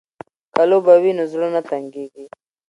که لوبه وي نو زړه نه تنګیږي.